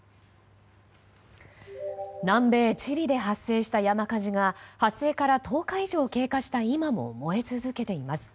南米チリで発生した山火事が発生から１０日以上経過した今も燃え続けています。